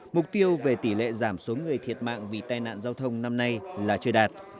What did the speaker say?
mục tiêu về tỷ lệ giảm số người thiệt mạng vì tai nạn giao thông năm nay là chưa đạt